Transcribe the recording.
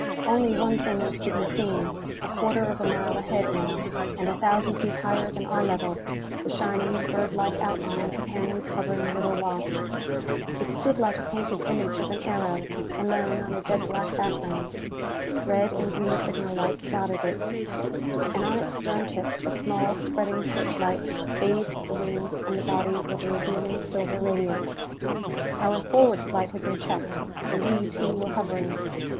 Only one thing was to be seen: a quarter of a mile ahead, now, and a thousand feet higher than our level, the shining, bird like outlines of Hanley's hovering little Wasp. It stood like a painted image of an aero, alone on a dead black background. Red and green signal lights dotted it, and on its stern tip a small, spreading searchlight bathed the wings and the body with a revealing silver radiance. Our forward flight had been checked, and we, too, were hovering.